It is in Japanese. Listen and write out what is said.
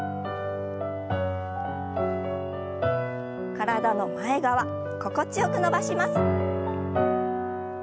体の前側心地よく伸ばします。